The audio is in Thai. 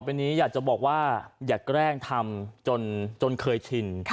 อันนี้อยากจะบอกว่าอย่าแกล้งทำจนเคยชิน